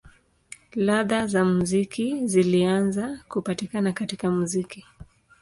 Ladha za muziki zilianza kupatikana katika muziki.